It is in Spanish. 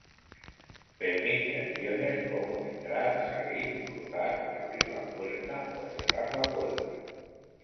Permite acciones como 'entrar', 'salir', 'cruzar', 'abrir la puerta' o 'cerrar la puerta'.